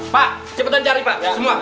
pak cepetan cari pak